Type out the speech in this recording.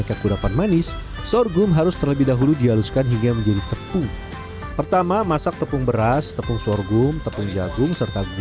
aduh salah buka masker